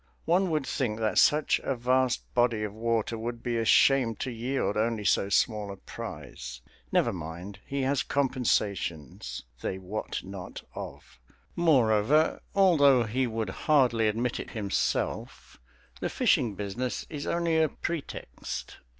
One would think that such a vast body of water would be ashamed to yield only so small a prize. Never mind. He has compensations they wot not of. Moreover although he would hardly admit it himself the fishing business is only a pretext.